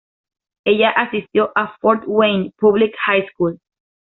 Ella asistió a Fort Wayne Public High School.